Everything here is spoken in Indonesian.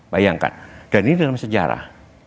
bayangkan dan ini dalam sejarah